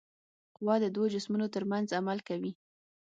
قوه د دوو جسمونو ترمنځ عمل کوي.